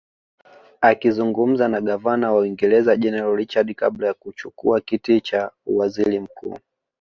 Akizungumza na Gavana wa Uingereza General Richard kabla ya kuchukua kiti cha uwaziri mkuu